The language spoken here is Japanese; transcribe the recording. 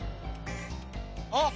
あっ！